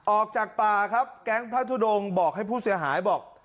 ออกจากป่าครับแก๊งพระทุดงบอกให้ผู้เสียหายบอก